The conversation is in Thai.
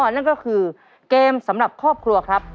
นั่นก็คือเกมสำหรับครอบครัวครับ